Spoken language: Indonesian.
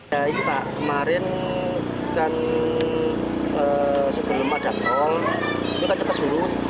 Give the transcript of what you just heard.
ya ini pak kemarin dan sebelum ada tol itu kan cepat dulu